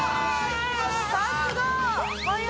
さすが。